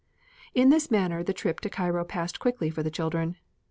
In this manner the trip to Cairo passed quickly for the children.